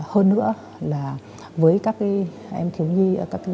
hơn nữa là với các em thiếu nhi